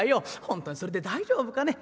「本当にそれで大丈夫かね？